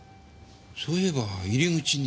そういえば入り口に。